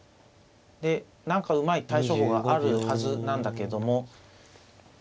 で何かうまい対処法があるはずなんだけども。